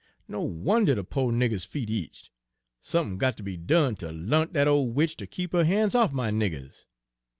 'No wonder de po' nigger's feet eetched. Sump'n got ter be done ter l'arn dat ole witch ter keep her han's off'n my niggers.